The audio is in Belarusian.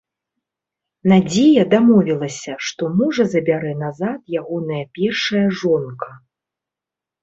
Надзея дамовілася, што мужа забярэ назад ягоная першая жонка.